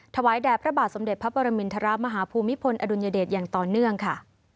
แด่พระบาทสมเด็จพระปรมินทรมาฮภูมิพลอดุลยเดชอย่างต่อเนื่องค่ะ